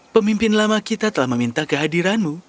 pemimpin lama kita telah meminta kehadiranmu